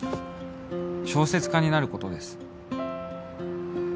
小説家になることです